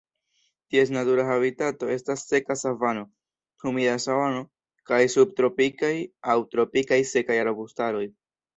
Ties natura habitato estas seka savano, humida savano kaj subtropikaj aŭ tropikaj sekaj arbustaroj.